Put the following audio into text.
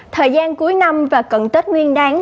thời gian cuối năm và cận tết nguyên đáng